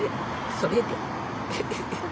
それで。